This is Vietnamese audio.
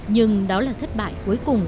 nhưng đó là thất bại cuối cùng